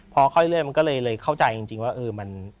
พอค่อยเรื่อยมันก็เลยเข้าใจจริงว่าเออมัน